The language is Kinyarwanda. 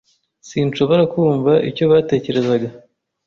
S Sinshobora kumva icyo batekerezaga.